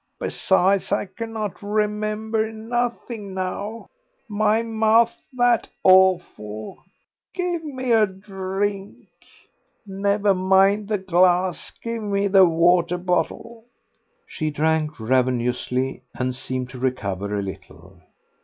Besides, I cannot remember nothing now. My mouth's that awful Give me a drink. Never mind the glass, give me the water bottle." She drank ravenously, and seemed to recover a little.